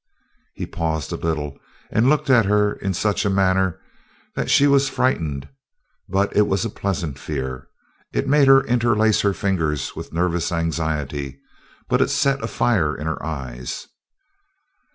He paused a little, and looked at her in such a manner that she was frightened, but it was a pleasant fear. It made her interlace her fingers with nervous anxiety, but it set a fire in her eyes.